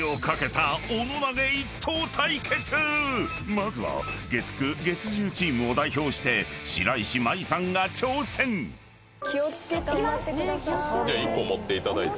［まずは月９・月１０チームを代表して白石麻衣さんが挑戦］じゃ１本持っていただいて。